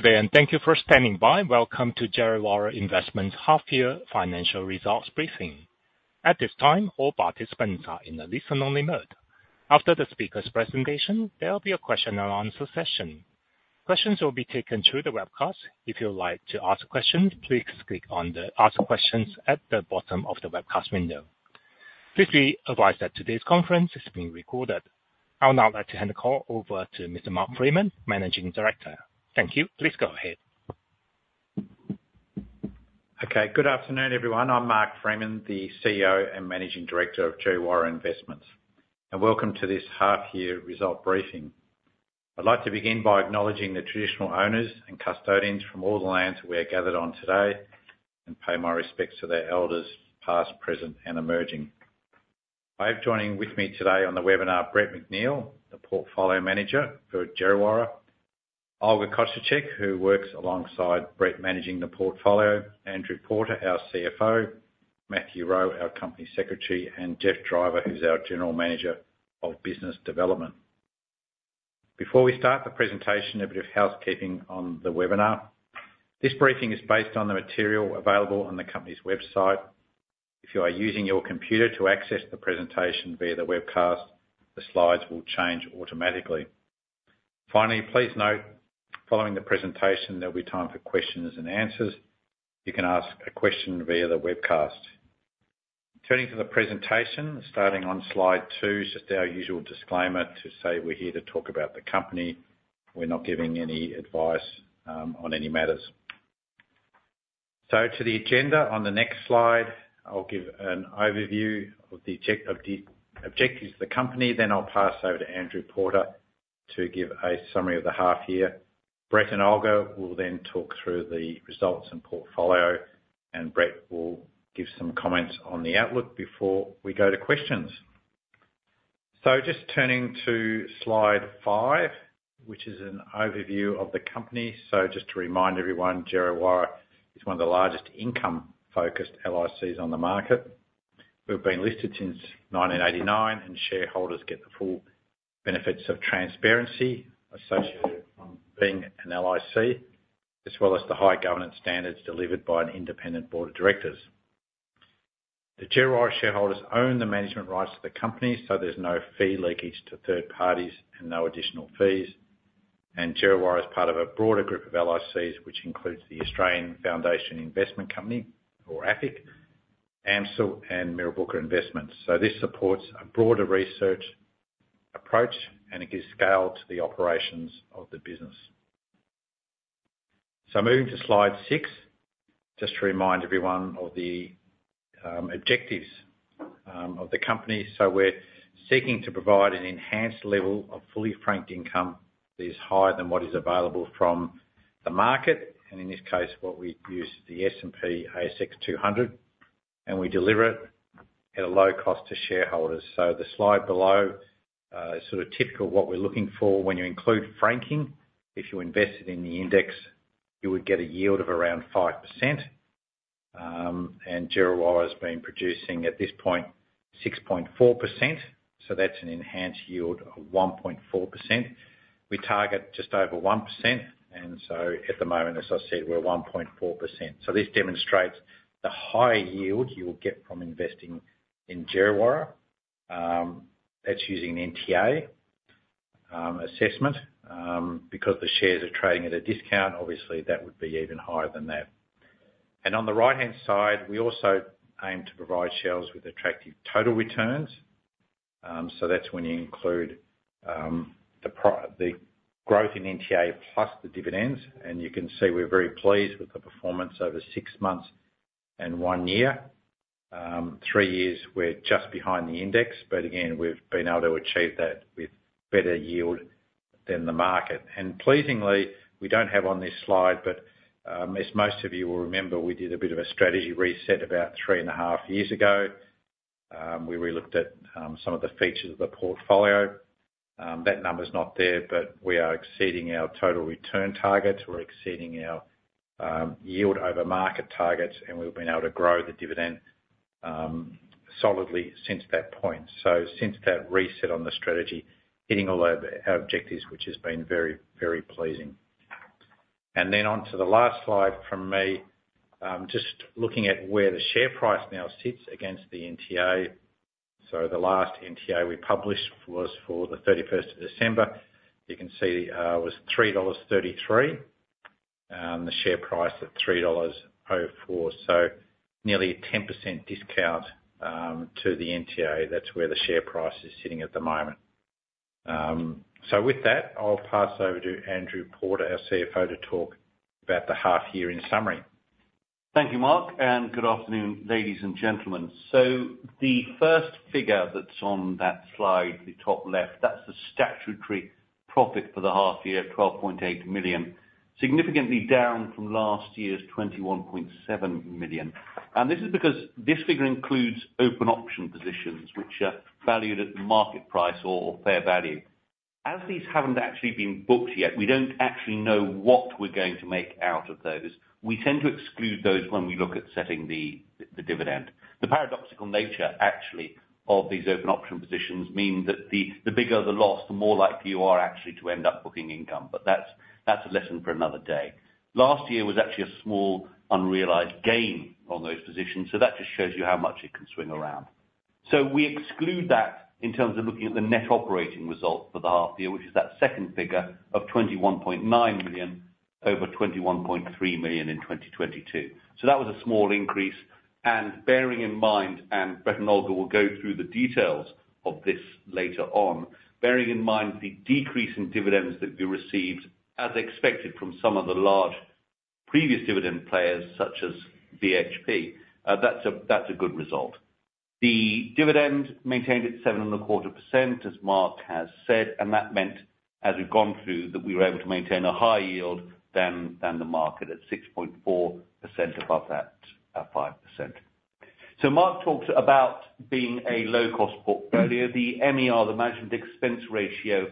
Good day, and thank you for standing by. Welcome to Djerriwarrh Investments' H2 Financial Results briefing. At this time, all participants are in a listen-only mode. After the speaker's presentation, there will be a question-and-answer session. Questions will be taken through the webcast. If you would like to ask a question, please click on the Ask Questions at the bottom of the webcast window. Please be advised that today's conference is being recorded. I would now like to hand the call over to Mr. Mark Freeman, Managing Director. Thank you. Please go ahead. Okay. Good afternoon, everyone. I'm Mark Freeman, the CEO and Managing Director of Djerriwarrh Investments, and welcome to this H2 result briefing. I'd like to begin by acknowledging the traditional owners and custodians from all the lands we are gathered on today and pay my respects to their elders, past, present, and emerging. I have joining with me today on the webinar, Brett McNeill, the Portfolio Manager for Djerriwarrh; Olga Kosciuczyk, who works alongside Brett, managing the portfolio; Andrew Porter, our CFO; Matthew Rowe, our Company Secretary; and Geoff Driver, who's our General Manager of Business Development. Before we start the presentation, a bit of housekeeping on the webinar. This briefing is based on the material available on the company's website. If you are using your computer to access the presentation via the webcast, the slides will change automatically. Finally, please note, following the presentation, there'll be time for questions and answers. You can ask a question via the webcast. Turning to the presentation, starting on slide 2, just our usual disclaimer to say we're here to talk about the company. We're not giving any advice on any matters. So to the agenda on the next slide, I'll give an overview of the objectives of the company, then I'll pass over to Andrew Porter to give a summary of the half year. Brett and Olga will then talk through the results and portfolio, and Brett will give some comments on the outlook before we go to questions. So just turning to slide 5, which is an overview of the company. So just to remind everyone, Djerriwarrh is one of the largest income-focused LICs on the market. We've been listed since 1989, and shareholders get the full benefits of transparency associated with being an LIC, as well as the high governance standards delivered by an Independent Board of Directors. The Djerriwarrh shareholders own the management rights to the company, so there's no fee leakage to third parties and no additional fees. Djerriwarrh is part of a broader group of LICs, which includes the Australian Foundation Investment Company, or AFIC, AMCIL and Mirrabooka Investments. This supports a broader research approach, and it gives scale to the operations of the business. Moving to Slide 6, just to remind everyone of the objectives of the company. So we're seeking to provide an enhanced level of fully franked income that is higher than what is available from the market, and in this case, what we use, the S&P/ASX 200, and we deliver it at a low cost to shareholders. So the slide below is sort of typical of what we're looking for. When you include franking, if you invested in the index, you would get a yield of around 5%, and Djerriwarrh has been producing, at this point, 6.4%, so that's an enhanced yield of 1.4%. We target just over 1%, and so at the moment, as I said, we're at 1.4%. So this demonstrates the high yield you will get from investing in Djerriwarrh. That's using an NTA assessment. Because the shares are trading at a discount, obviously, that would be even higher than that. And on the right-hand side, we also aim to provide shareholders with attractive total returns, so that's when you include the growth in NTA plus the dividends, and you can see we're very pleased with the performance over 6 months and 1 year. Three years, we're just behind the index, but again, we've been able to achieve that with better yield than the market. And pleasingly, we don't have on this slide, but as most of you will remember, we did a bit of a strategy reset about 3.5 years ago. Where we looked at some of the features of the portfolio. That number's not there, but we are exceeding our total return targets, we're exceeding our yield over market targets, and we've been able to grow the dividend solidly since that point. So since that reset on the strategy, hitting all of our objectives, which has been very, very pleasing. And then on to the last slide from me, just looking at where the share price now sits against the NTA. So the last NTA we published was for the thirty-first of December. You can see, it was 3.33 dollars, the share price at 3.04 dollars. So nearly a 10% discount to the NTA. That's where the share price is sitting at the moment. So with that, I'll pass over to Andrew Porter, our CFO, to talk about the half year in summary. Thank you, Mark, and good afternoon, ladies and gentlemen. So the first figure that's on that slide, the top left, that's the statutory profit for the half year, 12.8 million. Significantly down from last year's 21.7 million. And this is because this figure includes open option positions, which are valued at the market price or fair value… as these haven't actually been booked yet, we don't actually know what we're going to make out of those. We tend to exclude those when we look at setting the, the dividend. The paradoxical nature, actually, of these open option positions mean that the, the bigger the loss, the more likely you are actually to end up booking income, but that's, that's a lesson for another day. Last year was actually a small unrealized gain on those positions, so that just shows you how much it can swing around. So we exclude that in terms of looking at the net operating result for the half year, which is that second figure of 21.9 million over 21.3 million in 2022. So that was a small increase, and bearing in mind, and Brett and Olga will go through the details of this later on. Bearing in mind, the decrease in dividends that we received, as expected from some of the large previous dividend players, such as BHP, that's a, that's a good result. The dividend maintained at 7.25%, as Mark has said, and that meant, as we've gone through, that we were able to maintain a higher yield than, than the market at 6.4% above that, at 5%. So Mark talked about being a low-cost portfolio. The MER, the Management Expense Ratio,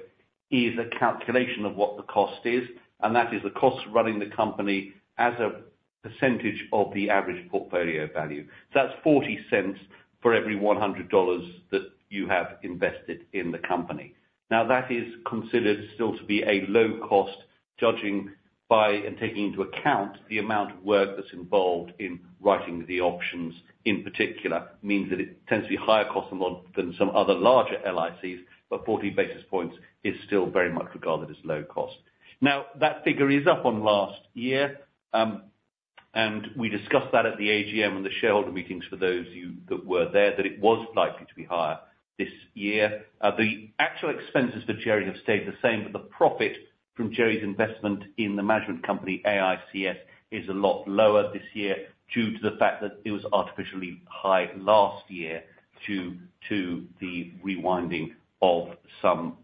is a calculation of what the cost is, and that is the cost of running the company as a percentage of the average portfolio value. That's 0.40 for every 100 dollars that you have invested in the company. Now, that is considered still to be a low cost, judging by and taking into account the amount of work that's involved in writing the options in particular, means that it tends to be higher cost than some other larger LICs, but 40 basis points is still very much regarded as low cost. Now, that figure is up on last year, and we discussed that at the AGM and the shareholder meetings, for those of you that were there, that it was likely to be higher this year. The actual expenses for Djerriwarrh have stayed the same, but the profit from Djerriwarrh's investment in the management company, AICS, is a lot lower this year due to the fact that it was artificially high last year due to the rewinding of some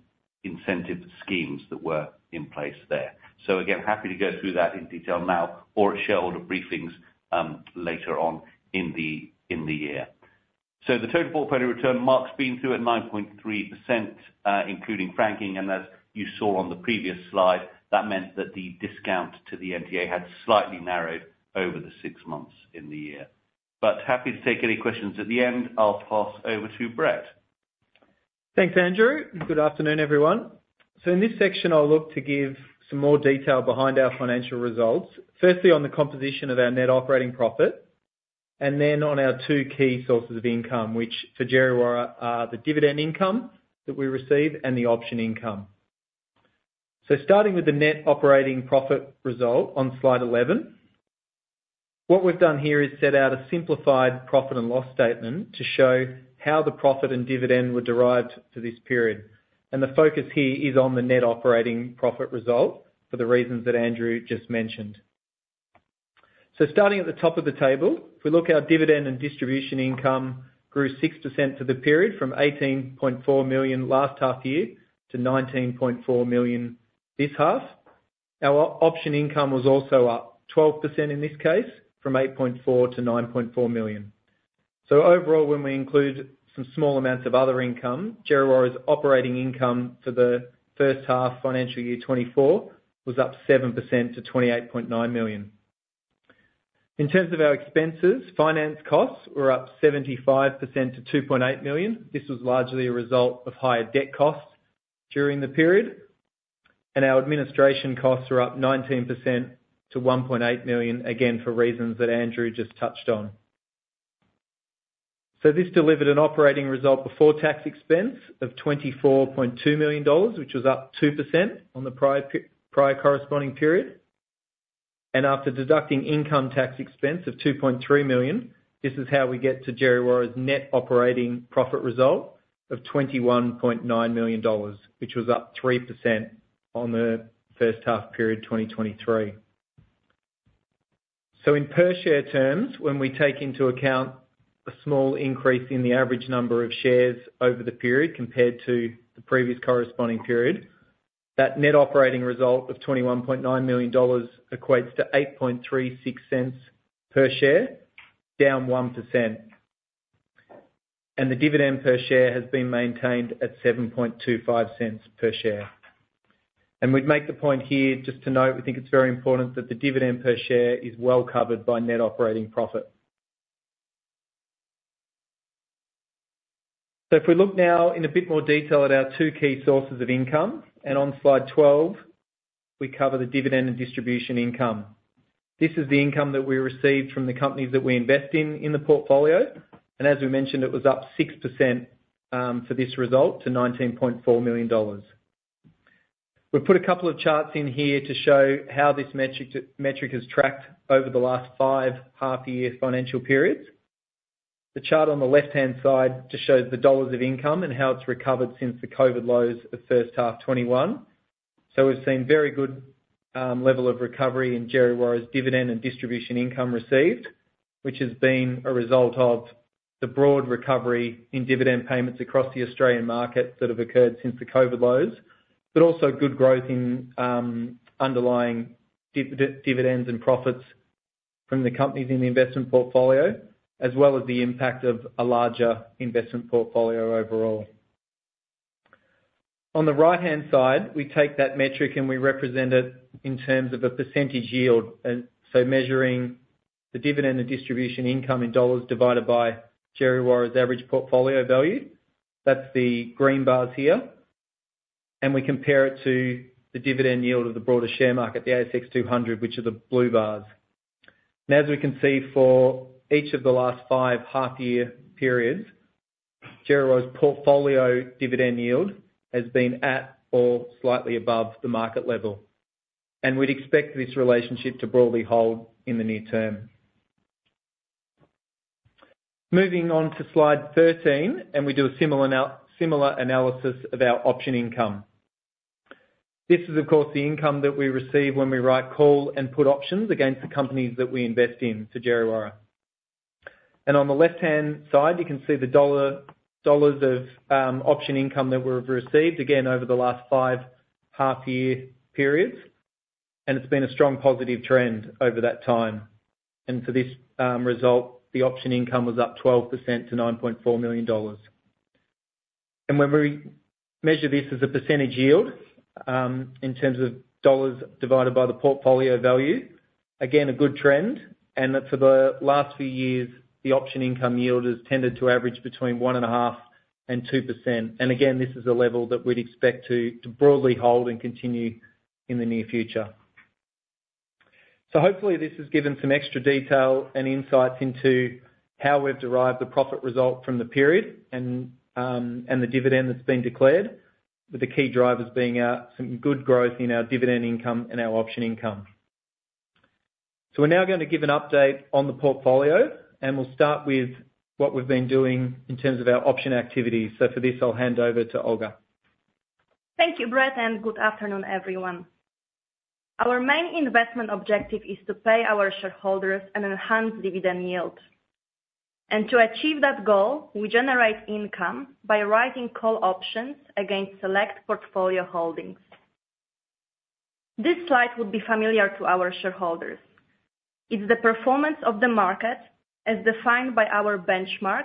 incentive schemes that were in place there. So again, happy to go through that in detail now or at shareholder briefings, later on in the, in the year. So the total portfolio return, Mark's been through at 9.3%, including franking, and as you saw on the previous slide, that meant that the discount to the NTA had slightly narrowed over the six months in the year. But happy to take any questions at the end. I'll pass over to Brett. Thanks, Andrew. Good afternoon, everyone. So in this section, I'll look to give some more detail behind our financial results. Firstly, on the composition of our net operating profit, and then on our two key sources of income, which for Djerriwarrh, are the dividend income that we receive and the option income. So starting with the net operating profit result on slide 11, what we've done here is set out a simplified profit and loss statement to show how the profit and dividend were derived for this period. And the focus here is on the net operating profit result for the reasons that Andrew just mentioned. So starting at the top of the table, if we look, our dividend and distribution income grew 6% for the period, from 18.4 million last half year to 19.4 million this half. Our option income was also up 12% in this case, from 8.4 million to 9.4 million. So overall, when we include some small amounts of other income, Djerriwarrh's operating income for the H1 financial year 2024 was up 7% to 28.9 million. In terms of our expenses, finance costs were up 75% to 2.8 million. This was largely a result of higher debt costs during the period, and our administration costs are up 19% to 1.8 million, again, for reasons that Andrew just touched on. So this delivered an operating result before tax expense of 24.2 million dollars, which was up 2% on the prior corresponding period. After deducting income tax expense of 2.3 million, this is how we get to Djerriwarrh's net operating profit result of 21.9 million dollars, which was up 3% on the H2 2023. So in per share terms, when we take into account a small increase in the average number of shares over the period compared to the previous corresponding period, that net operating result of 21.9 million dollars equates to 0.0836 per share, down 1%. The dividend per share has been maintained at 0.0725 per share. We'd make the point here, just to note, we think it's very important that the dividend per share is well-covered by net operating profit. So if we look now in a bit more detail at our two key sources of income, and on slide 12, we cover the dividend and distribution income. This is the income that we received from the companies that we invest in, in the portfolio, and as we mentioned, it was up 6% for this result, to 19.4 million dollars. We've put a couple of charts in here to show how this metric has tracked over the last five half-year financial periods. The chart on the left-hand side just shows the dollars of income and how it's recovered since the COVID lows of H1 2021. So we've seen very good level of recovery in Djerriwarrh's dividend and distribution income received, which has been a result of the broad recovery in dividend payments across the Australian market that have occurred since the COVID lows, but also good growth in underlying dividends and profits from the companies in the investment portfolio, as well as the impact of a larger investment portfolio overall. On the right-hand side, we take that metric and we represent it in terms of a percentage yield. And so measuring the dividend and distribution income in dollars divided by Djerriwarrh's average portfolio value. That's the green bars here. And we compare it to the dividend yield of the broader share market, the ASX 200, which are the blue bars. As we can see, for each of the last five half-year periods, Djerriwarrh's portfolio dividend yield has been at or slightly above the market level, and we'd expect this relationship to broadly hold in the near term. Moving on to slide 13, and we do a similar analysis of our option income. This is, of course, the income that we receive when we write call and put options against the companies that we invest in to Djerriwarrh. On the left-hand side, you can see the dollars of option income that we've received again, over the last five half-year periods, and it's been a strong positive trend over that time. For this result, the option income was up 12% to 9.4 million dollars. And when we measure this as a percentage yield, in terms of dollars divided by the portfolio value, again, a good trend, and that for the last few years, the option income yield has tended to average between 1.5% and 2%. And again, this is a level that we'd expect to, to broadly hold and continue in the near future. So hopefully, this has given some extra detail and insights into how we've derived the profit result from the period and, and the dividend that's been declared, with the key drivers being, some good growth in our dividend income and our option income. So we're now going to give an update on the portfolio, and we'll start with what we've been doing in terms of our option activities. So for this, I'll hand over to Olga. Thank you, Brett, and good afternoon, everyone. Our main investment objective is to pay our shareholders an enhanced dividend yield. To achieve that goal, we generate income by writing call options against select portfolio holdings. This slide would be familiar to our shareholders. It's the performance of the market, as defined by our benchmark,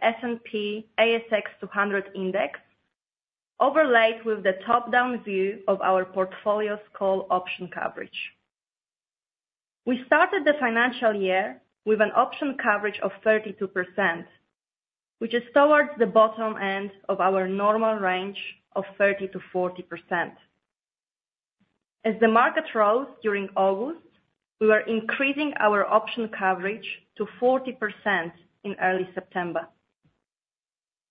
S&P/ASX 200 index, overlaid with the top-down view of our portfolio's call option coverage. We started the financial year with an option coverage of 32%, which is towards the bottom end of our normal range of 30% to 40%. As the market rose during August, we were increasing our option coverage to 40% in early September.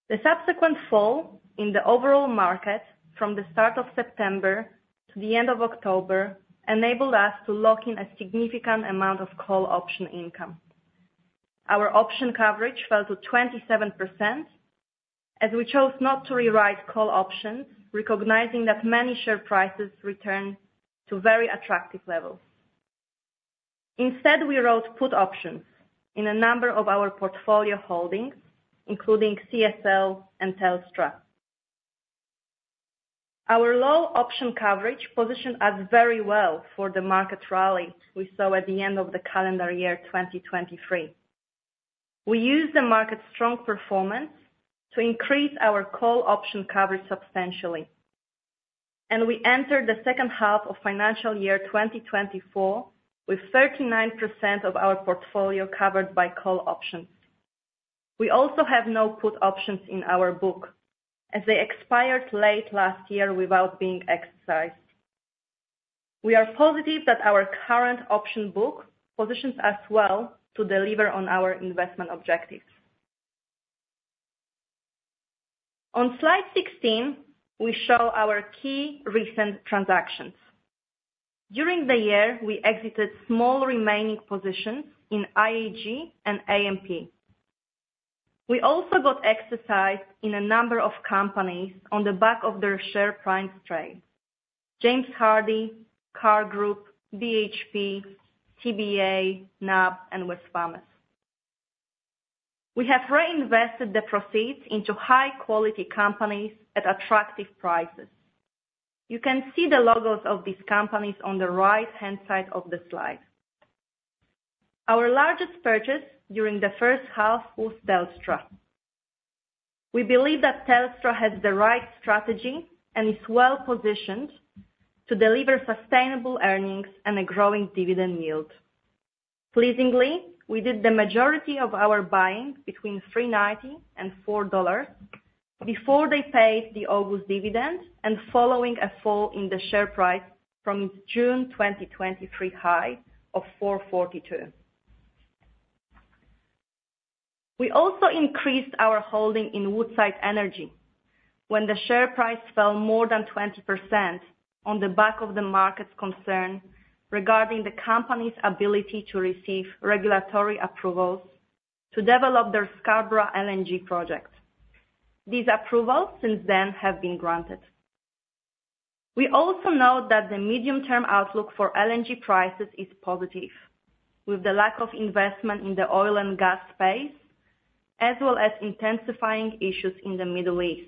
The subsequent fall in the overall market from the start of September to the end of October enabled us to lock in a significant amount of call option income. Our option coverage fell to 27%, as we chose not to rewrite call options, recognizing that many share prices returned to very attractive levels. Instead, we wrote put options in a number of our portfolio holdings, including CSL and Telstra. Our low option coverage positioned us very well for the market rally we saw at the end of the calendar year, 2023. We used the market's strong performance to increase our call option coverage substantially, and we entered the H2 of financial year 2024 with 39% of our portfolio covered by call options. We also have no put options in our book, as they expired late last year without being exercised. We are positive that our current option book positions us well to deliver on our investment objectives. On slide 16, we show our key recent transactions. During the year, we exited small remaining positions in IAG and AMP. We also got exercised in a number of companies on the back of their share price trade: James Hardie, CAR Group, BHP, CBA, NAB, and Wesfarmers. We have reinvested the proceeds into high-quality companies at attractive prices. You can see the logos of these companies on the right-hand side of the slide. Our largest purchase during the H1 was Telstra. We believe that Telstra has the right strategy and is well-positioned to deliver sustainable earnings and a growing dividend yield. Pleasingly, we did the majority of our buying between 3.90 and 4 dollars before they paid the August dividend and following a fall in the share price from its June 2023 high of 4.42. We also increased our holding in Woodside Energy when the share price fell more than 20% on the back of the market's concern regarding the company's ability to receive regulatory approvals to develop their Scarborough LNG project. These approvals since then have been granted. We also note that the medium-term outlook for LNG prices is positive, with the lack of investment in the oil and gas space, as well as intensifying issues in the Middle East.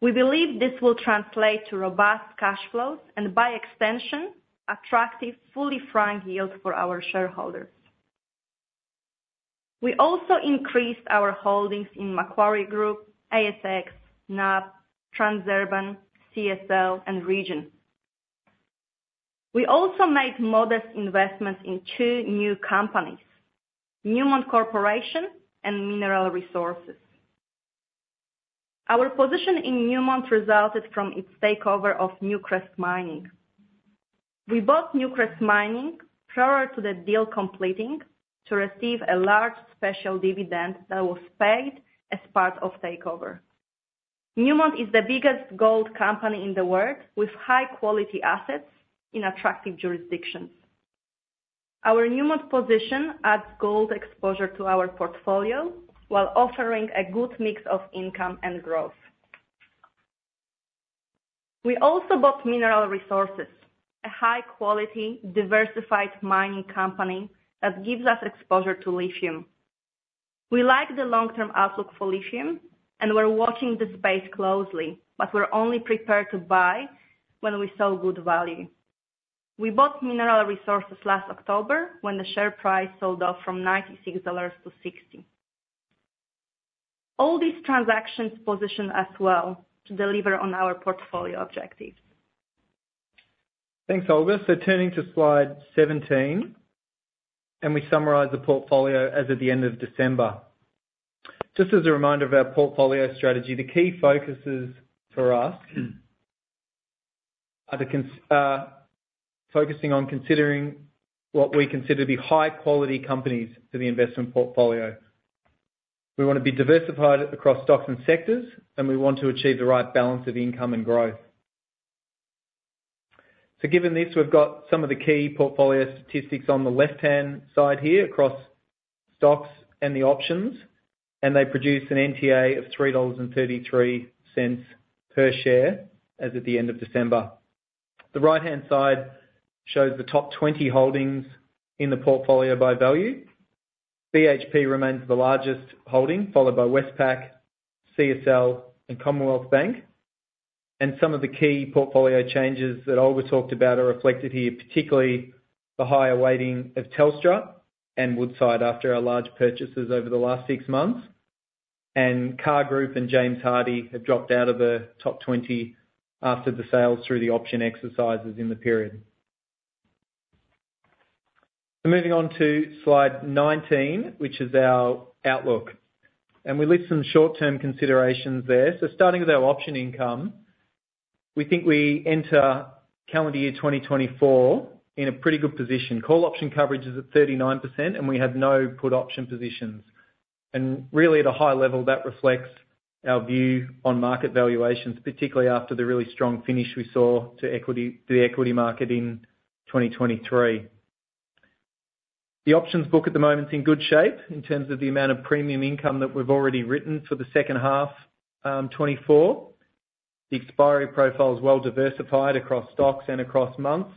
We believe this will translate to robust cash flows, and by extension, attractive, fully franked yield for our shareholders. We also increased our holdings in Macquarie Group, ASX, NAB, Transurban, CSL, and Region. We also made modest investments in two new companies, Newmont Corporation and Mineral Resources. Our position in Newmont resulted from its takeover of Newcrest Mining. We bought Newcrest Mining prior to the deal completing, to receive a large special dividend that was paid as part of takeover. Newmont is the biggest gold company in the world, with high-quality assets in attractive jurisdictions. Our Newmont position adds gold exposure to our portfolio, while offering a good mix of income and growth. We also bought Mineral Resources, a high-quality, diversified mining company that gives us exposure to lithium. We like the long-term outlook for lithium, and we're watching this space closely, but we're only prepared to buy when we see good value. We bought Mineral Resources last October, when the share price sold off from 96 dollars to 60. All these transactions position us well to deliver on our portfolio objectives. Thanks, Olga. Turning to slide 17, we summarize the portfolio as of the end of December. Just as a reminder of our portfolio strategy, the key focuses for us are focusing on considering what we consider to be high-quality companies for the investment portfolio. We want to be diversified across stocks and sectors, and we want to achieve the right balance of income and growth. Given this, we've got some of the key portfolio statistics on the left-hand side here, across stocks and the options, and they produce an NTA of 3.33 dollars per share as of the end of December. The right-hand side shows the top 20 holdings in the portfolio by value. BHP remains the largest holding, followed by Westpac, CSL, and Commonwealth Bank. Some of the key portfolio changes that Olga talked about are reflected here, particularly the higher weighting of Telstra and Woodside after our large purchases over the last six months. CAR Group and James Hardie have dropped out of the top 20 after the sales through the option exercises in the period. Moving on to slide 19, which is our outlook, and we list some short-term considerations there. Starting with our option income, we think we enter calendar year 2024 in a pretty good position. Call option coverage is at 39%, and we have no put option positions. Really, at a high level, that reflects our view on market valuations, particularly after the really strong finish we saw to the equity market in 2023. The options book at the moment is in good shape in terms of the amount of premium income that we've already written for the H2 2024. The expiry profile is well diversified across stocks and across months,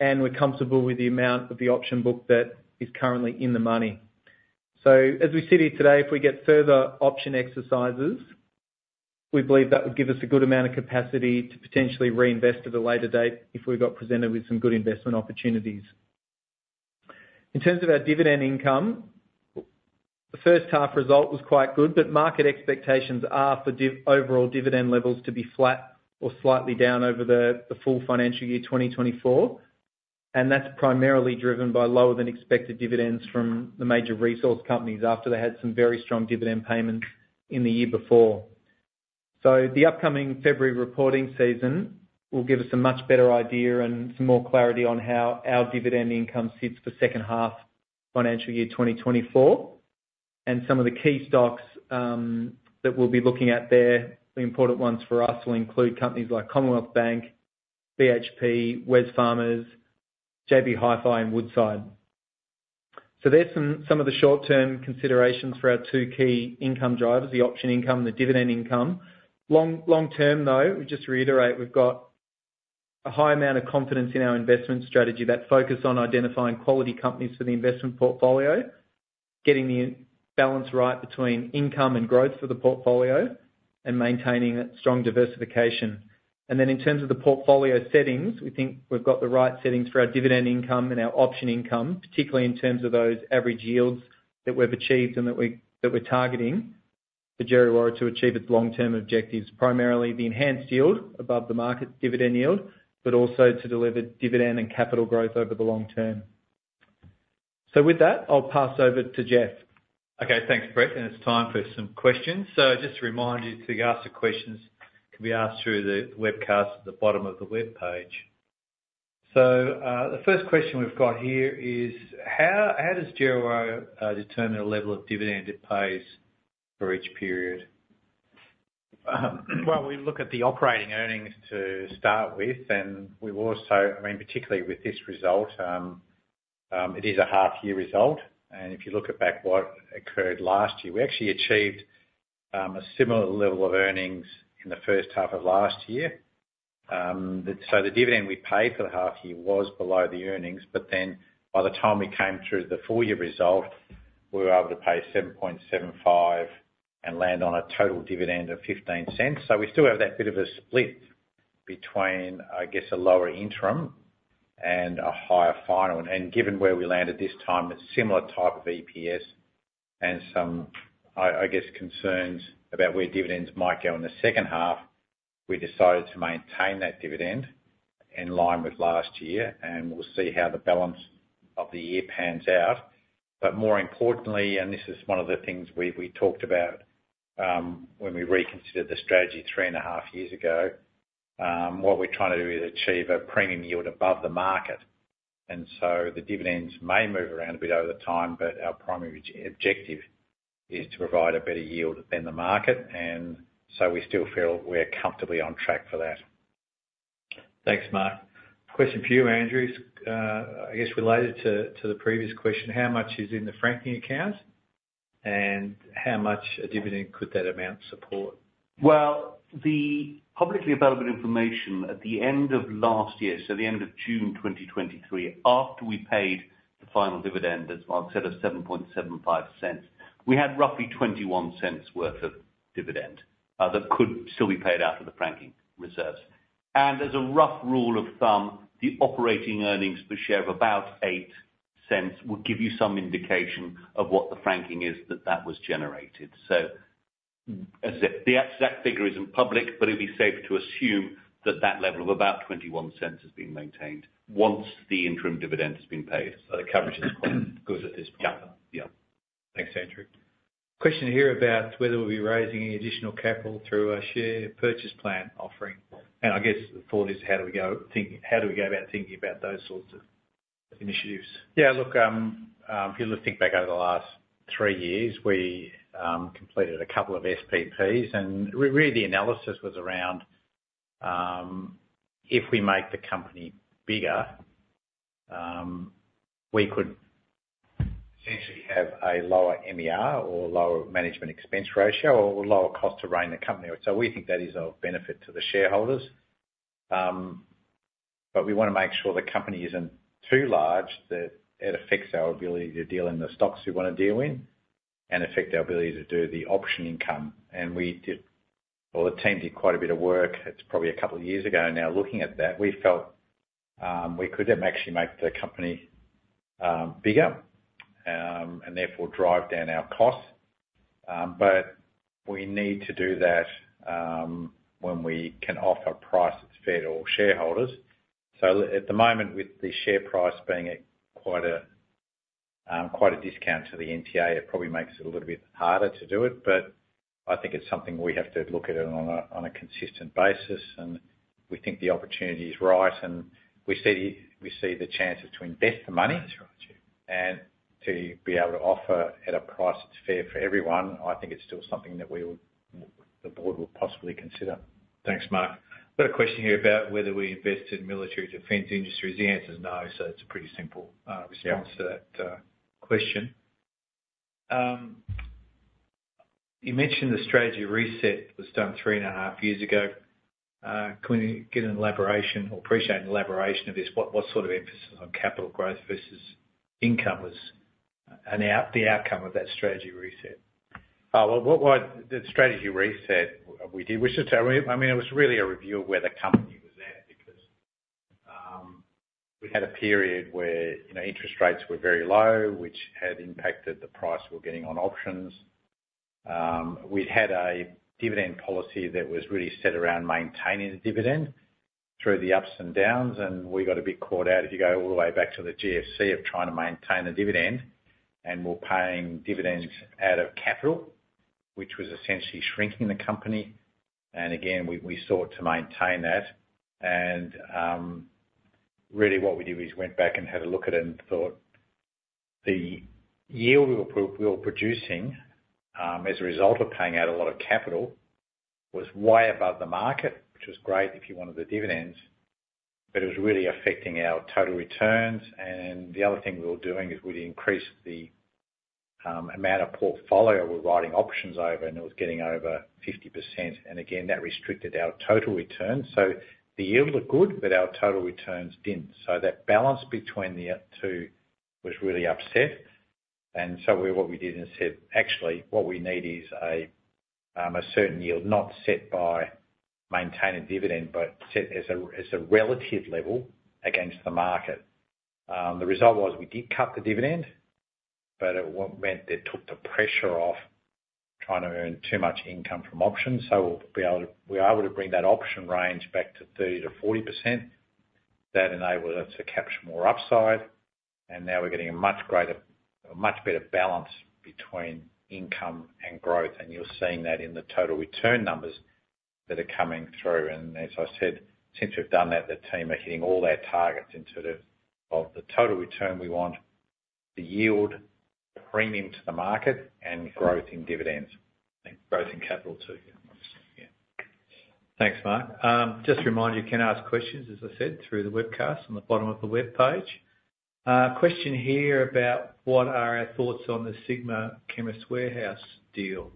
and we're comfortable with the amount of the option book that is currently in the money. So as we sit here today, if we get further option exercises, we believe that would give us a good amount of capacity to potentially reinvest at a later date if we got presented with some good investment opportunities. In terms of our dividend income, the H1 result was quite good, but market expectations are for overall dividend levels to be flat or slightly down over the full financial year 2024. That's primarily driven by lower than expected dividends from the major resource companies after they had some very strong dividend payments in the year before. So the upcoming February reporting season will give us a much better idea and some more clarity on how our dividend income sits for H2 financial year 2024. Some of the key stocks that we'll be looking at there, the important ones for us, will include companies like Commonwealth Bank, BHP, Wesfarmers, JB Hi-Fi, and Woodside. So there's some of the short-term considerations for our two key income drivers, the option income and the dividend income. Long term, though, we just reiterate, we've got a high amount of confidence in our investment strategy that's focused on identifying quality companies for the investment portfolio, getting the balance right between income and growth for the portfolio, and maintaining a strong diversification. Then in terms of the portfolio settings, we think we've got the right settings for our dividend income and our option income, particularly in terms of those average yields that we've achieved and that we're targeting for Djerriwarrh to achieve its long-term objectives, primarily the enhanced yield above the market dividend yield, but also to deliver dividend and capital growth over the long term. With that, I'll pass over to Geoff. Okay, thanks, Brett, and it's time for some questions. So just to remind you, to ask the questions, can be asked through the webcast at the bottom of the webpage. So, the first question we've got here is: How does Djerriwarrh determine the level of dividend it pays for each period? Well, we look at the operating earnings to start with, and we've also, I mean, particularly with this result, it is a half-year result. If you look back at what occurred last year, we actually achieved a similar level of earnings in the H1 of last year. So the dividend we paid for the half year was below the earnings, but then by the time we came through the full year result, we were able to pay 7.75 and land on a total dividend of 0.15. So we still have that bit of a split between, I guess, a lower interim and a higher final. And given where we landed this time, a similar type of EPS and some, I guess, concerns about where dividends might go in the H2, we decided to maintain that dividend in line with last year, and we'll see how the balance of the year pans out. But more importantly, and this is one of the things we, we talked about, when we reconsidered the strategy three and a half years ago, what we're trying to do is achieve a premium yield above the market. And so the dividends may move around a bit over the time, but our primary objective is to provide a better yield than the market, and so we still feel we're comfortably on track for that. Thanks, Mark. Question for you, Andrew. I guess related to the previous question: How much is in the franking account, and how much a dividend could that amount support? Well, the publicly available information at the end of last year, so the end of June 2023, after we paid the final dividend, as Mark said, of 0.0775, we had roughly 0.21 worth of dividend that could still be paid out of the franking reserves. As a rough rule of thumb, the operating earnings per share of about 0.08 will give you some indication of what the franking is that that was generated. As the exact figure isn't public, but it'd be safe to assume that that level of about 0.21 is being maintained once the interim dividend has been paid. So the coverage is quite good at this point? Yeah. Yeah. Thanks, Andrew. Question here about whether we'll be raising any additional capital through our share purchase plan offering. I guess for this, how do we go about thinking about those sorts of initiatives? Yeah, look, if you look back over the last three years, we completed a couple of SPPs, and really, the analysis was around, if we make the company bigger, we could essentially have a lower MER or lower management expense ratio, or lower cost to run the company. So we think that is of benefit to the shareholders. But we wanna make sure the company isn't too large, that it affects our ability to deal in the stocks we wanna deal in, and affect our ability to do the option income. Well, the team did quite a bit of work. It's probably a couple of years ago now, looking at that, we felt we could actually make the company bigger, and therefore drive down our costs. But we need to do that when we can offer a price that's fair to all shareholders. So at the moment, with the share price being at quite a discount to the NTA, it probably makes it a little bit harder to do it, but I think it's something we have to look at on a consistent basis, and we think the opportunity is right, and we see the chances to invest the money- That's right... and to be able to offer at a price that's fair for everyone. I think it's still something that we would, the board will possibly consider. Thanks, Mark. Got a question here about whether we invest in military defense industries. The answer is no, so it's a pretty simple, Yeah... response to that, question. You mentioned the strategy reset was done 3.5 years ago. Can we get an elaboration or appreciate an elaboration of this? What sort of emphasis on capital growth versus income was the outcome of that strategy reset? Oh, well, the strategy reset we did, we should tell. I mean, it was really a review of where the company was at, because we had a period where, you know, interest rates were very low, which had impacted the price we were getting on options. We'd had a dividend policy that was really set around maintaining the dividend through the ups and downs, and we got a bit caught out, if you go all the way back to the GFC, of trying to maintain the dividend. And we're paying dividends out of capital, which was essentially shrinking the company. And again, we sought to maintain that. Really what we did is went back and had a look at it and thought the yield we were producing as a result of paying out a lot of capital was way above the market, which was great if you wanted the dividends, but it was really affecting our total returns. The other thing we were doing is we increased the amount of portfolio we're writing options over, and it was getting over 50%, and again, that restricted our total returns. The yield looked good, but our total returns didn't. That balance between the two was really upset. And so what we did is said, "Actually, what we need is a certain yield, not set by maintaining dividend, but set as a relative level against the market." The result was, we did cut the dividend, but it meant it took the pressure off trying to earn too much income from options. So we're able to bring that option range back to 30% to 40%. That enabled us to capture more upside, and now we're getting a much greater, a much better balance between income and growth, and you're seeing that in the total return numbers that are coming through. And as I said, since we've done that, the team are hitting all their targets in sort of the total return we want, the yield premium to the market and growth in dividends. Growth in capital, too. Yeah. Thanks, Mark. Just a reminder, you can ask questions, as I said, through the webcast on the bottom of the webpage. Question here about what are our thoughts on the Sigma Chemist Warehouse deal?...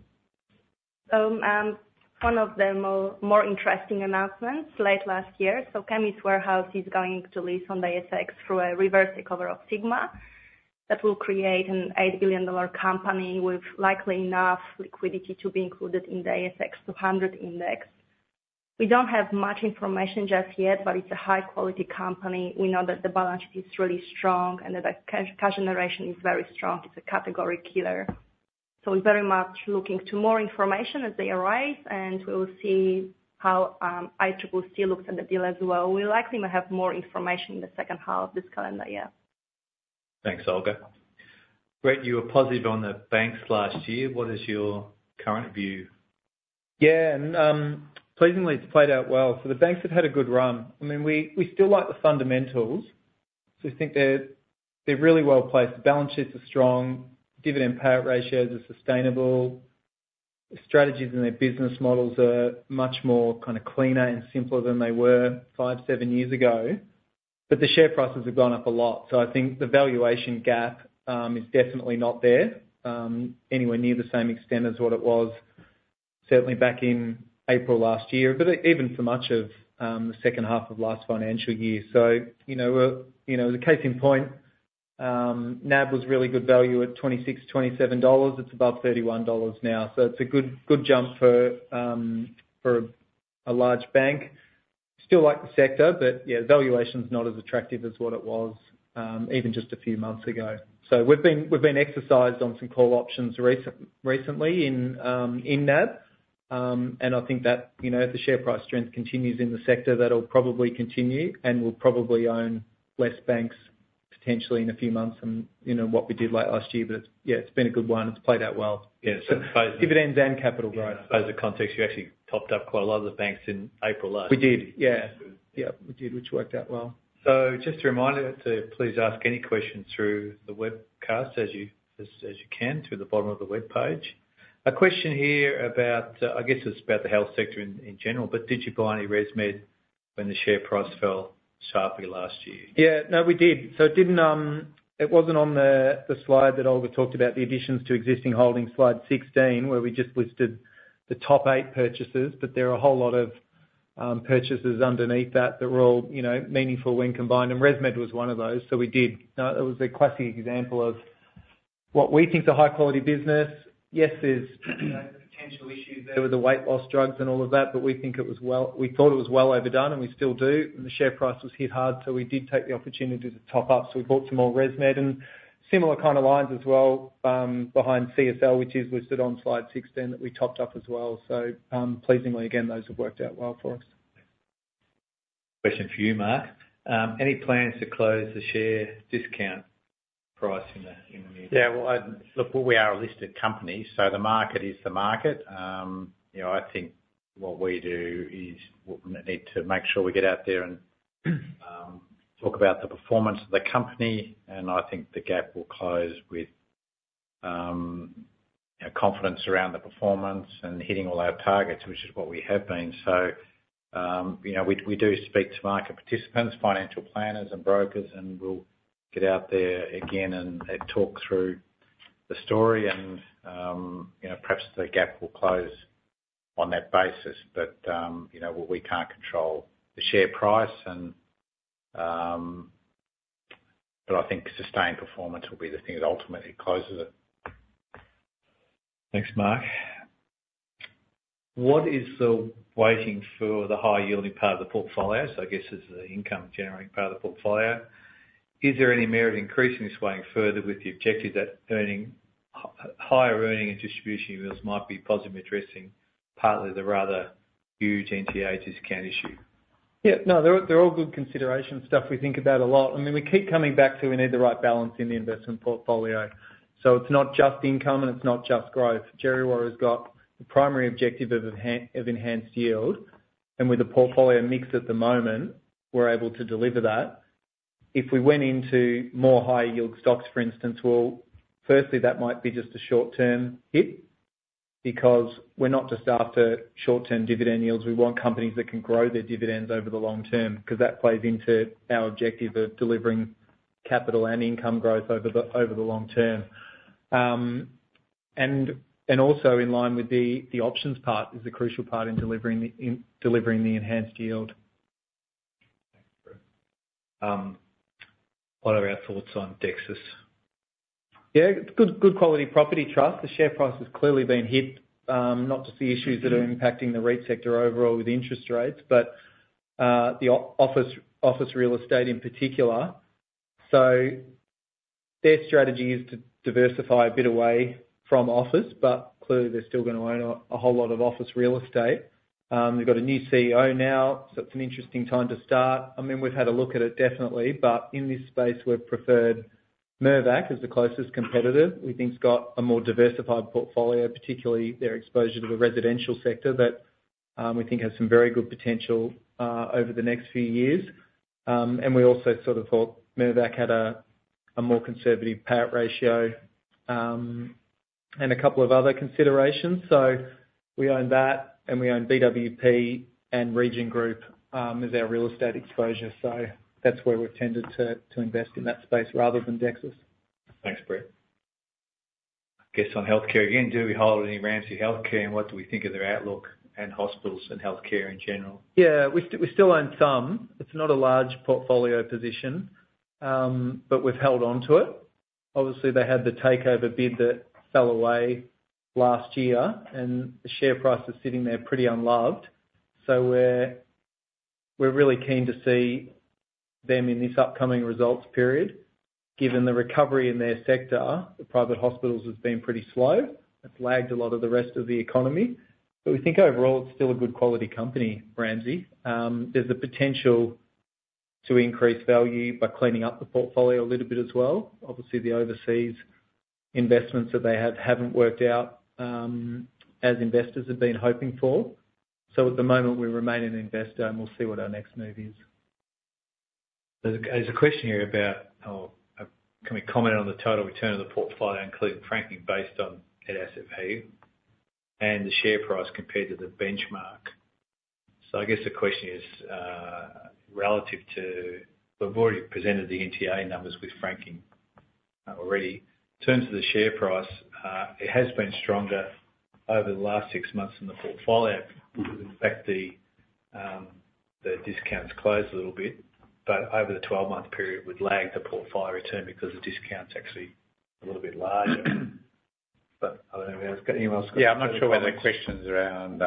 One of the more interesting announcements late last year, so Chemist Warehouse is going to list on the ASX through a reverse takeover of Sigma. That will create an 8 billion dollar company with likely enough liquidity to be included in the ASX 200 index. We don't have much information just yet, but it's a high quality company. We know that the balance sheet is really strong and that the cash generation is very strong. It's a category killer, so we're very much looking to more information as they arise, and we will see how ACCC looks at the deal as well. We likely may have more information in the H2 of this calendar year. Thanks, Olga. Brett, you were positive on the banks last year. What is your current view? Yeah, and, pleasingly, it's played out well. So the banks have had a good run. I mean, we, we still like the fundamentals. So we think they're, they're really well placed. The balance sheets are strong, dividend payout ratios are sustainable, the strategies and their business models are much more kind of cleaner and simpler than they were 5 to 7 years ago. But the share prices have gone up a lot, so I think the valuation gap is definitely not there, anywhere near the same extent as what it was certainly back in April last year. But even for much of the H2 of last financial year. So, you know, you know, the case in point, NAB was really good value at 26 dollars to 27. It's above 31 dollars now, so it's a good, good jump for a large bank. Still like the sector, but yeah, valuation's not as attractive as what it was, even just a few months ago. So we've been exercised on some call options recently in NAB, and I think that, you know, if the share price strength continues in the sector, that'll probably continue, and we'll probably own less banks, potentially in a few months from, you know, what we did late last year. But yeah, it's been a good one. It's played out well. Yeah, so- Dividends and capital growth. As a context, you actually topped up quite a lot of the banks in April last. We did, yeah. Good. Yeah, we did, which worked out well. So just a reminder to please ask any questions through the webcast as you can, through the bottom of the webpage. A question here about, I guess it's about the health sector in general, but did you buy any ResMed when the share price fell sharply last year? Yeah. No, we did. So it didn't... It wasn't on the slide that Olga talked about, the additions to existing holdings, slide 16, where we just listed the top 8 purchases. But there are a whole lot of purchases underneath that that were all, you know, meaningful when combined, and ResMed was one of those. So we did. It was a classic example of what we think is a high-quality business. Yes, there's, you know, potential issues there with the weight loss drugs and all of that, but we think it was well-- we thought it was well overdone, and we still do. And the share price was hit hard, so we did take the opportunity to top up, so we bought some more ResMed. Similar kind of lines as well, behind CSL, which is listed on slide 16, that we topped up as well. Pleasingly again, those have worked out well for us. Question for you, Mark. Any plans to close the share discount price in the near future? Yeah, well, look, well, we are a listed company, so the market is the market. You know, I think what we do is we need to make sure we get out there and talk about the performance of the company, and I think the gap will close with you know, confidence around the performance and hitting all our targets, which is what we have been. So, you know, we do speak to market participants, financial planners and brokers, and we'll get out there again and talk through the story and you know, perhaps the gap will close on that basis. But, you know, we can't control the share price, and but I think sustained performance will be the thing that ultimately closes it. Thanks, Mark. What is the weighting for the high-yielding part of the portfolio? So I guess it's the income-generating part of the portfolio. Is there any merit in increasing this weighting further with the objective that higher earning and distribution yields might be positively addressing partly the rather huge NTA discount issue? Yeah. No, they're all, they're all good consideration stuff we think about a lot. I mean, we keep coming back to, we need the right balance in the investment portfolio, so it's not just income, and it's not just growth. Djerriwarrh has got the primary objective of enhanced yield, and with the portfolio mix at the moment, we're able to deliver that. If we went into more high-yield stocks, for instance, well, firstly, that might be just a short-term hit because we're not just after short-term dividend yields. We want companies that can grow their dividends over the long term, 'cause that plays into our objective of delivering capital and income growth over the, over the long term. And also in line with the, the options part, is the crucial part in delivering the enhanced yield. Thanks, Brett. What are our thoughts on Dexus? Yeah, it's good, good quality property trust. The share price has clearly been hit, not just the issues that are impacting the REIT sector overall with interest rates, but, the office real estate in particular. So their strategy is to diversify a bit away from office, but clearly, they're still gonna own a, a whole lot of office real estate. They've got a new CEO now, so it's an interesting time to start. I mean, we've had a look at it, definitely, but in this space, we've preferred Mirvac as the closest competitor. We think it's got a more diversified portfolio, particularly their exposure to the residential sector, that we think has some very good potential over the next few years. And we also sort of thought Mirvac had a, a more conservative payout ratio, and a couple of other considerations. So we own that, and we own BWP and Region Group as our real estate exposure. So that's where we've tended to invest in that space rather than Dexus.... Thanks, Brett. Question on healthcare again, do we hold any Ramsay Health Care, and what do we think of their outlook and hospitals and healthcare in general? Yeah, we still own some. It's not a large portfolio position, but we've held onto it. Obviously, they had the takeover bid that fell away last year, and the share price is sitting there pretty unloved. So we're really keen to see them in this upcoming results period, given the recovery in their sector, the private hospitals has been pretty slow. It's lagged a lot of the rest of the economy, but we think overall it's still a good quality company, Ramsay. There's the potential to increase value by cleaning up the portfolio a little bit as well. Obviously, the overseas investments that they have haven't worked out as investors have been hoping for. So at the moment, we remain an investor, and we'll see what our next move is. There's a question here about, oh, can we comment on the total return of the portfolio, including franking, based on net asset value and the share price compared to the benchmark? So I guess the question is, relative to... We've already presented the NTA numbers with franking, already. In terms of the share price, it has been stronger over the last six months in the portfolio. In fact, the discount's closed a little bit, but over the 12-month period, we've lagged the portfolio return because the discount's actually a little bit larger. But I don't know if anyone's got anything else- Yeah, I'm not sure where the question's around,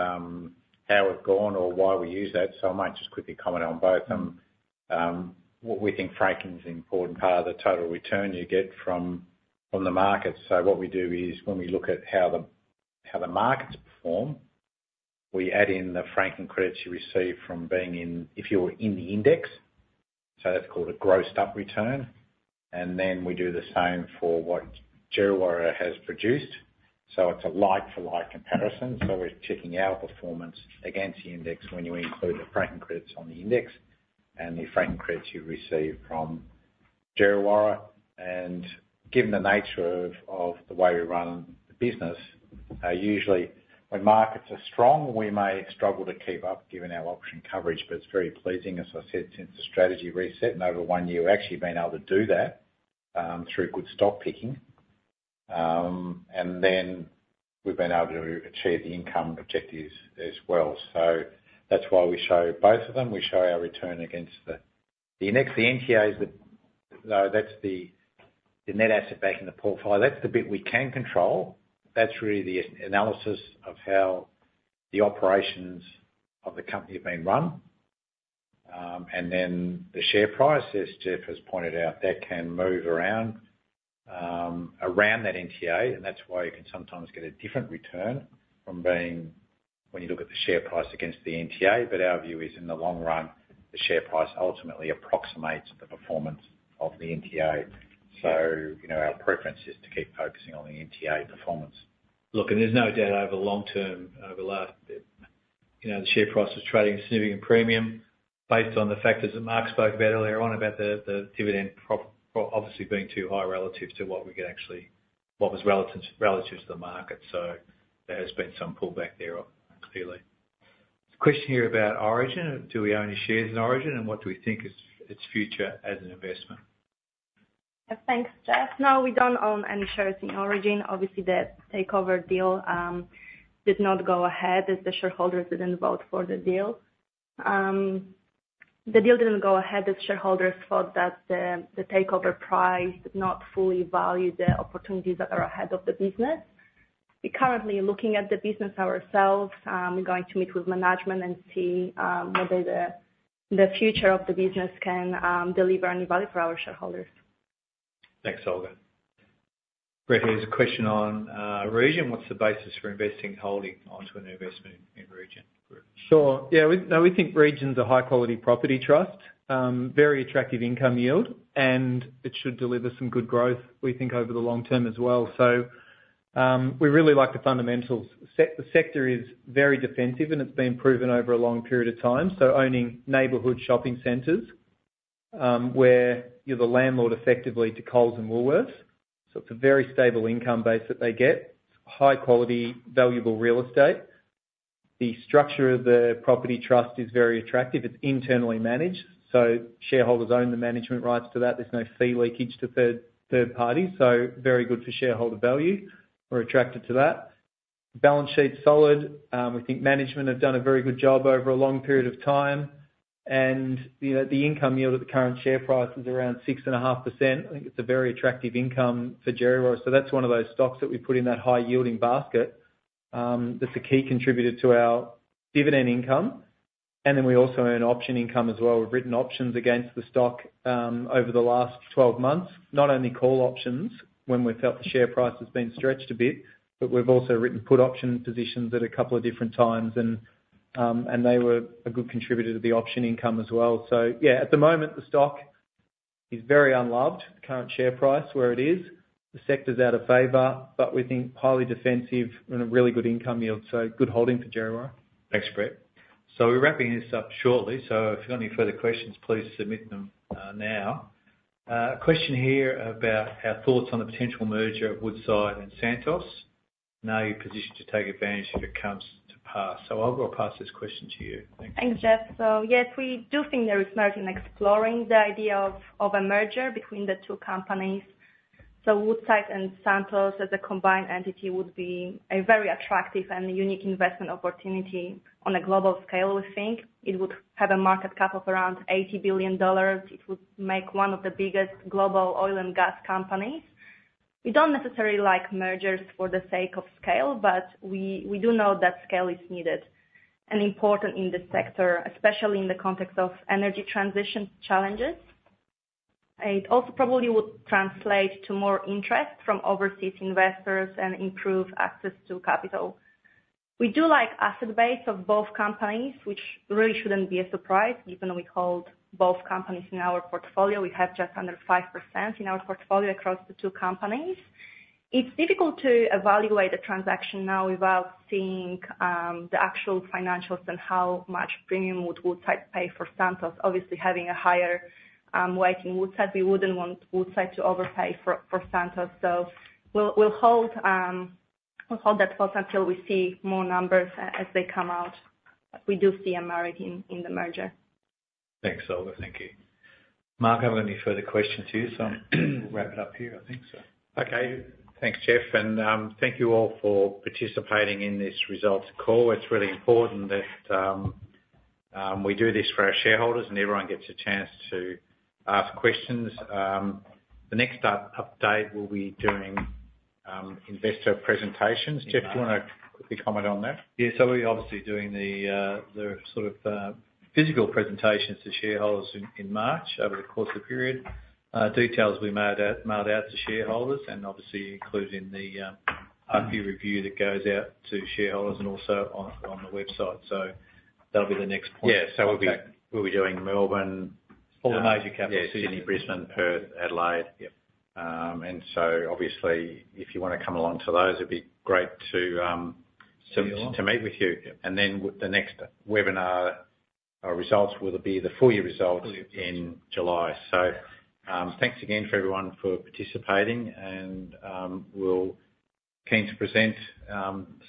how we've gone or why we use that, so I might just quickly comment on both. What we think franking is an important part of the total return you get from the market. So what we do is when we look at how the markets perform, we add in the franking credits you receive from being in-- if you're in the index, so that's called a grossed-up return. And then we do the same for what Djerriwarrh has produced, so it's a like-for-like comparison. So we're checking our performance against the index when you include the franking credits on the index and the franking credits you receive from Djerriwarrh. Given the nature of the way we run the business, usually when markets are strong, we may struggle to keep up, given our option coverage. But it's very pleasing, as I said, since the strategy reset and over one year, we've actually been able to do that, through good stock picking. And then we've been able to achieve the income objectives as well. So that's why we show both of them. We show our return against the index. The NTAs, so that's the net asset back in the portfolio. That's the bit we can control. That's really the analysis of how the operations of the company are being run. And then the share price, as Geoff has pointed out, that can move around that NTA, and that's why you can sometimes get a different return from when you look at the share price against the NTA. But our view is, in the long run, the share price ultimately approximates the performance of the NTA. So, you know, our preference is to keep focusing on the NTA performance. Look, and there's no doubt over the long term, over the last bit, you know, the share price is trading at a significant premium based on the factors that Mark spoke about earlier on, about the dividend obviously being too high relative to what was relative to the market. So there has been some pullback there, clearly. There's a question here about Origin. Do we own any shares in Origin, and what do we think is its future as an investment? Thanks, Geoff. No, we don't own any shares in Origin. Obviously, the takeover deal did not go ahead, as the shareholders didn't vote for the deal. The deal didn't go ahead, as shareholders thought that the, the takeover price did not fully value the opportunities that are ahead of the business. We're currently looking at the business ourselves. We're going to meet with management and see whether the, the future of the business can deliver any value for our shareholders. Thanks, Olga. Brett, here's a question on Region. What's the basis for investing, holding onto a new investment in Region? Sure. Yeah, so we think Region's a high-quality property trust, very attractive income yield, and it should deliver some good growth, we think, over the long term as well. So, we really like the fundamentals. The sector is very defensive, and it's been proven over a long period of time. So owning neighborhood shopping centers, where you're the landlord, effectively, to Coles and Woolworths, so it's a very stable income base that they get. High quality, valuable real estate. The structure of the property trust is very attractive. It's internally managed, so shareholders own the management rights to that. There's no fee leakage to third parties, so very good for shareholder value. We're attracted to that. Balance sheet's solid. We think management have done a very good job over a long period of time. You know, the income yield at the current share price is around 6.5%. I think it's a very attractive income for Djerriwarrh. So that's one of those stocks that we put in that high-yielding basket, that's a key contributor to our dividend income. And then we also earn option income as well. We've written options against the stock over the last 12 months. Not only call options, when we felt the share price has been stretched a bit, but we've also written put option positions at a couple of different times, and they were a good contributor to the option income as well. So yeah, at the moment, the stock is very unloved, current share price, where it is. The sector's out of favor, but we think highly defensive and a really good income yield, so good holding for Djerriwarrh. Thanks, Brett. So we're wrapping this up shortly, so if you've got any further questions, please submit them, now. A question here about our thoughts on the potential merger of Woodside and Santos... now you're positioned to take advantage if it comes to pass. So Olga, I'll pass this question to you. Thank you. Thanks, Geoff. Yes, we do think there is merit in exploring the idea of a merger between the two companies. Woodside and Santos as a combined entity would be a very attractive and unique investment opportunity on a global scale, we think. It would have a market cap of around 80 billion dollars. It would make one of the biggest global oil and gas companies. We don't necessarily like mergers for the sake of scale, but we do know that scale is needed and important in this sector, especially in the context of energy transition challenges. It also probably would translate to more interest from overseas investors and improve access to capital. We do like asset base of both companies, which really shouldn't be a surprise, given we hold both companies in our portfolio. We have just under 5% in our portfolio across the two companies. It's difficult to evaluate a transaction now without seeing the actual financials and how much premium would Woodside pay for Santos. Obviously, having a higher weighting Woodside, we wouldn't want Woodside to overpay for Santos. So we'll hold that thought until we see more numbers as they come out. We do see a merit in the merger. Thanks, Olga. Thank you. Mark, I haven't any further questions to you, so we'll wrap it up here, I think so. Okay. Thanks, Jeff, and thank you all for participating in this results call. It's really important that we do this for our shareholders, and everyone gets a chance to ask questions. The next update will be during investor presentations. Jeff, do you wanna quickly comment on that? Yeah, so we're obviously doing the sort of physical presentations to shareholders in March over the course of the period. Details we mailed out, mailed out to shareholders and obviously included in the half year review that goes out to shareholders and also on the website. So that'll be the next point. Yeah. So we'll be- Okay. We'll be doing Melbourne- All the major capital cities. Yeah, Sydney, Brisbane, Perth, Adelaide. Yep. Obviously, if you wanna come along to those, it'd be great to... See you all. To meet with you. Yep. Then the next webinar, our results will be the full year results- Full year... in July. So, thanks again for everyone for participating, and, we're keen to present.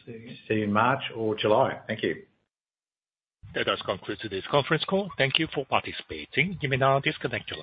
See you. See you in March or July. Thank you. That does conclude today's conference call. Thank you for participating. You may now disconnect your line.